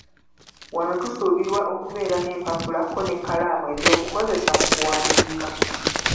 Wano tusuubirwa okubeera n'empapula ko n'ekkalamu eby'okukozesa mu kuwandiika.